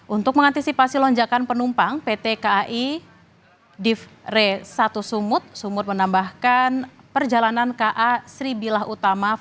untuk mengantisipasi lonjakan penumpang pt kai divre satu sumut sumur menambahkan perjalanan ka sri bilah utama